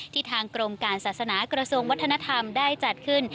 ทางกรมการศาสนากระทรวงวัฒนธรรมได้จัดขึ้น